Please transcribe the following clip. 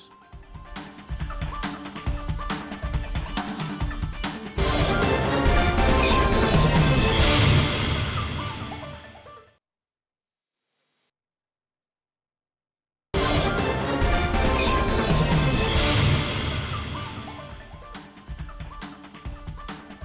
dari jawa barat